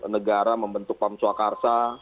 negara membentuk pam swakarsa